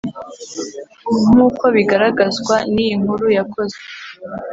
Nk uko bigaragazwa n iyi nkuru yakozwe